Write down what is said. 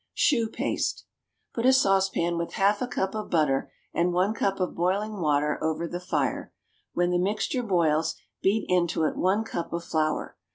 =Chou Paste.= Put a saucepan with half a cup of butter and one cup of boiling water over the fire. When the mixture boils, beat into it one cup of flour.